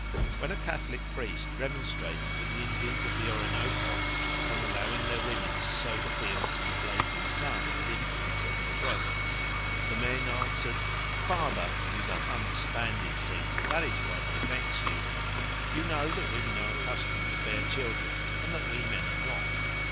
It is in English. When a Catholic priest remonstrated with the Indians of the Orinoco on allowing their women to sow the fields in the blazing sun, with infants at their breasts, the men answered, "Father, you don't understand these things, and that is why they vex you. You know that women are accustomed to bear children, and that we men are not.